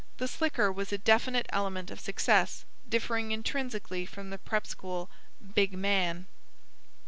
The slicker was a definite element of success, differing intrinsically from the prep school "big man."